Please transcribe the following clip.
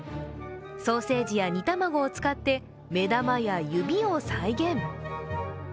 ソーセージや煮卵を使って目玉や指を再現。